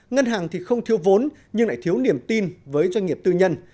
ngân hàng thì không thiếu vốn nhưng lại thiếu niềm tin với doanh nghiệp tư nhân